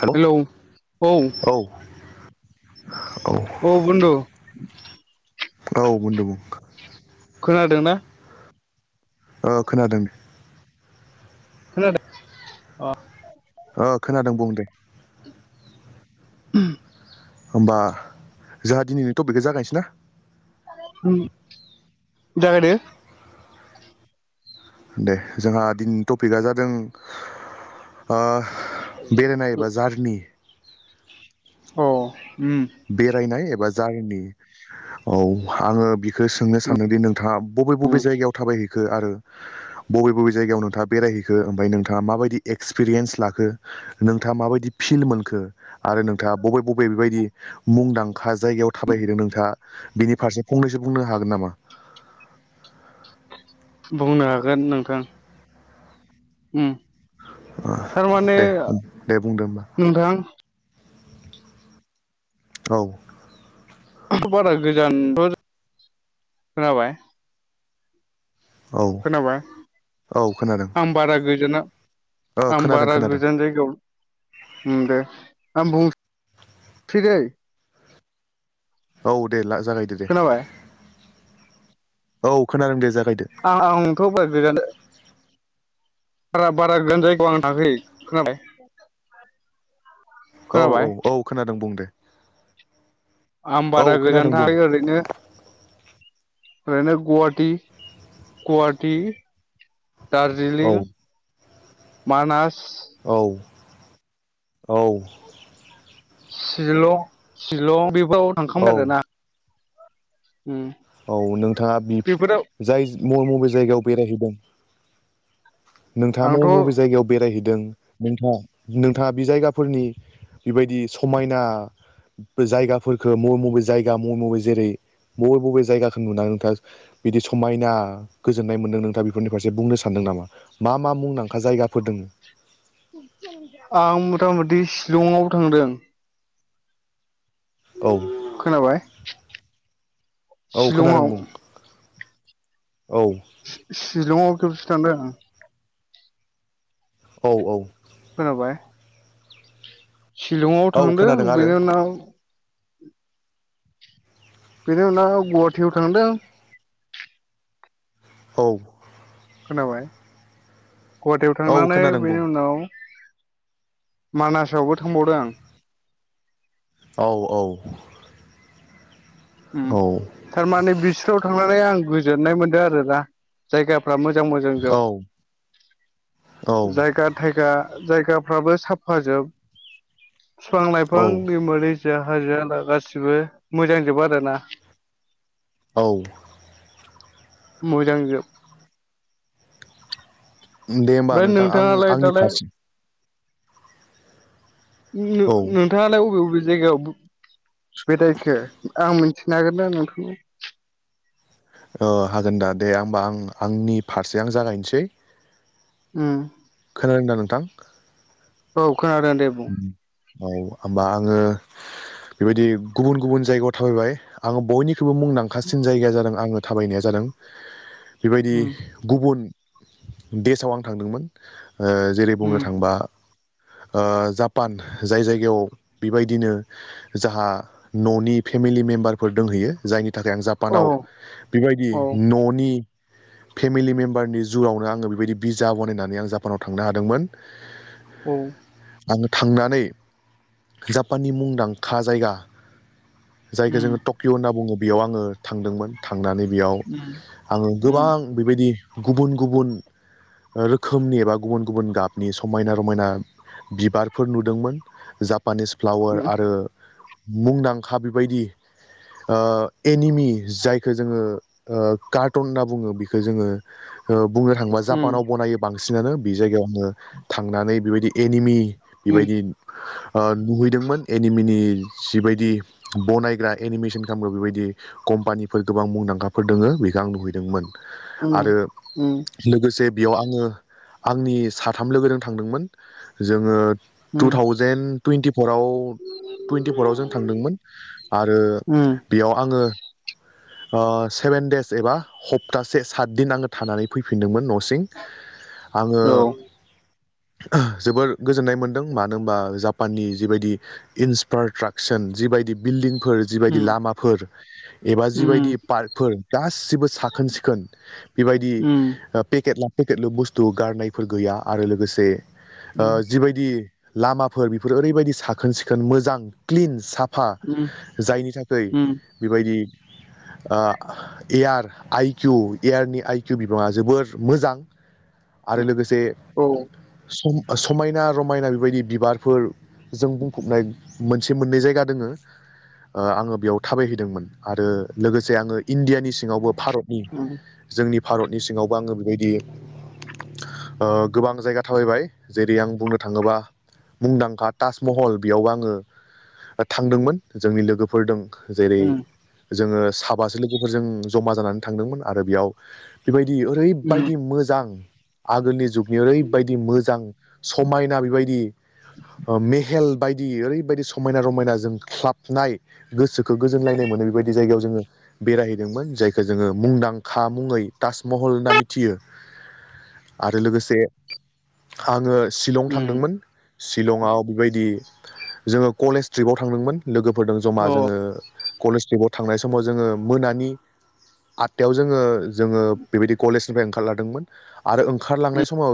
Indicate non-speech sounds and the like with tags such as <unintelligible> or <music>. हेल' hello औ औ बन्दु <inaudible> औ बन्दु बुं खोनादों ना ओ खोनादों खोनादों अ ओ खोनादों बुं दे होमबा जोंहा दिनैनि टपिकआ जागायनोसै ना जागायदो दे जोंहा दिनैनि टपिकआ जादों बेरायनाय बा जारनि औ बेरायनाय एबा जारनि औ आङो बिखौ सोंनो सानदों दि नों बबे बबे उम जायगायाव थाबायहै है आरो बबे बबे जायगायाव नोंथाङा बेरायहैखो ओमफफ्राय नोंथाङा माबायदि एक्सपिरियेन्स लाखो नोंथाङा माबायदि फिल मोनखो आरो नोंथाङा बबे बबे बेबायदि मुंदां खा जायगायाव थाबायहैदों नोंथाङा बिनि फारसे फंनैसो बुंनो हागोन नामा बुंनो हागोन नोंथां उ ओ थारमाने दे दे बुंदो होमबा नोंथां औ बारा गोजानथ' खोनाबाय औ खोनाबाय औ खोनादों आं बारा गोजोना ओ आं खोनादों बारा खोनादों गोजान जायगायाव ओम दे आं बुं सै दे। औ दे ला जागायदो दे। खोनाबाय औ खोनादोंदे जा <unintelligible> बारा बारा गोजान जायगायाव आं थाङाखै खोनाबाय। औ खोनाबाय औ औ खोनादों बुं दे। आं औ बारा खोनादों गोजान बुं थाङाखै ओरैनो ओरैनो गुवाटि गुवाटि औ दार्जीलिं मानास औ औ। सिलं सिलं बे फ्राव औ थांखांबाय आरो ना। औ नोंथाङा बि बेफोराव जाय मबे मबे जायगायाव बेरायहैदों नोंथाङा आंथ' मबे बबे जायगायाव बेरायहै दों नोंथा नोंथाङा बे जायगाफोरनि बेबायदि समायना जायगाफोरखो मबे मबे जायगा मबे मबे जेरै बबे बबे जायगाखौ नुनानै नोंथाङा बिदि समायना गोजोन्नाय मोन्दों नोंथाङा बेफोरनि फारसे बुंनो सानदों नामा? मा मा मुंदांखा जायगाफोर दोङो? आं मथा मथि शिलंआव थांदों। औ खोनाबाय औ खोनादों शिलंआव। बुं औ सि-सिलंआव खेबसे थांदो आं औ औ। खोनाबाय? सिलंआव औ थांदों खोनादों आरो बेनि उनाव बेनि उनाव गुवाहाटियाव थांदों। औ। खोनाबाय? गुवाहाटियाव औ थांनानै खोनादों बुं बेनि उनाव मानासावबो थांबावदों आं औ औ। उम औ थारमाने बिस्राव थां। माने आं गोजोननाय मोनदों आरोना जायगाफ्रा मोजां मोजां मोजां जोब औ औ जायगा थायगा। जायगाफ्राबो साफाजोब फिफां लाइफां औ दैमा दैसा हाजो हाला गासिबो मोजांजोब आरो ना औ मोजांजोब दे होमबा ओमफ्राय नोंथां आं नोंथाङालाय आंनि दालाय फारसे नो औ नोंथाङालाय अबे अबे जायगायाव बेदाइखो आं मोनथि नो हागोनना नोंथां? अ हागोन दा दे आं होमबा आं आंनि फारसे आं जागायनोसै। उम खोनादोंदा नोंथां? औ खानादों दे बुं औ होमबा आङो बेबायदि गुबुन गुबुन जायगायाव थाबायबाय आंङो बयनि खौबो मुंदांखासिन जायगाया जादों आङो थाबायनाया जादों बेबायदि उम गुबुन देसाव आं थांदोंमोन। ओ जेरै उम बुंनो थांबा ओ जापान जाय जायगायाव बिबायदिनो जाहा न'नि फेमिलि मेम्बारफोर दोंहैयो जाय नि थाखाय आं औ जापानाव बेबायदि औ न'नि फेमिलि मेम्बारनि जुवावनो आङो बेबायदि बिजा बनायनानै आं जापानाव थांनो हादोंमोन। औ आङो थांनानै जापाननि मुंदांखा जायगा जायखौ उम जोङो टकिअ होन्ना बुङो। बेयाव आङो थांदोंमोन। थांनानै बेयाव उम आङो उम गोबां बेबायदि गुबुन गुबुन रोखोमनि एबा गुबुन गुबुन गाबनि समायना रमायना बिबारफोर नुदोंमोन जा पानिस फ्लावार उम आरो मुंदांखा बेबायदि ओ एनिमि जायखो जोङो ओ कार्टन होनना बुङो बेखो जोङो। ओ बुंनो थाङोबा उम जापानाव बनायो बां बांसिनानो बे जायगायावनो थांनानै बिबायदि एनिमि उम बेबायदि ओ नुहैदोंमोन एनिमिनि जिबायदि बनायग्रा एनिमेसन खालामग्रा बेबायदि कम्पानिफोर गोबां मुंदांखाफोर दङ बेखौ आं नुहैदोंमोन। उम उम आरो लोगोसे बेयाव आङो आंनि साथाम लोगजों थांदोंमोन। जोङो टु थावजेेन टुइन्टिफराव टुइन्टिफराव जों थांदोंमोन आरो उम बेयाव आङो ओ सेभेन देस एबा सप्तासे सात दिन आङो थानानै फैफिनदोंमोन न सिं आङो औ उम ओ जोबोर गोजोननाय मोन्दों मानो होनबा जापाननि जिबायदि इनफ्रास्ट्राकसार जिबायदि बिल्दिं फोर जिबायदि उम लामाफोर एबा उम उम औ जिबायदि पार्कफोर गासै गासिबो साखोन सिखोन बेबायदि उम पेकेट ला पेकेटलु बुस्थु गारनायफोर गैया आरो लोगोसे ओ जिबायदि लामाफोर बेफोर ओरैबायदि साखोन सिखोन मोजां क्लिन साफ फा जायनि थाखाय उम बेबायदि ओ एयार आइकिउ एयारनि आइकिउ बिबाङा जोबोर मोजां आरो लोगोसे सम समायना रमायना बेबायदि बिबारफोर जों बुंफबनाय मोनसे मोननै जायगा दोङो ओ आङो बेयाव थाबायहैदोंमोन आरो लोगोसे आङो इण्डियानि सिङावबो भारतनि जोंनि भारतनि सिङावबो आङो बेबायदि ओ गोबां जायगा थाबायबाय जेरै आं बुंनो थाङोबा मुंदांखा ताजमहल बेयावबो आङो थांदोंमोन जोंनि लोगो फोरदों जेरै जोङो साबासो लोगोफोरजों जमा जानानै थांदोंमोन आरो बेयाव बेबायदि बियो ओरैबायदि मोजां आधुनिक जुगनि ओरै बेबायदि मोजां समायना बेबायदि ओ मेहेल बायदि ओरैबायदि समायना रमायना जोंख्लाबनाय गोसोखौ गोजोनलायनाय मोनो बेबायदि जायगायाव जोङो बेरायहैदोंमोन जायखौ जोङो मुंदांखा मुङै ताजमहल होनना मिथियो आरो लोगोसे आङो शिलं उम थांदोंमोन सिलंआव बेबायदि जोङो कलेज ट्रिपाव थांदोंमोन लोगोफोरदों जमा उम जोङो कलेज ट्रिबाव थांनाय समाव जोङो मोनानि आटथायाव जोङो जोङो बेबायदि कलेजनिफ्राय ओंखारलादोंमोन आरो अ ओंखारलांनाय समाव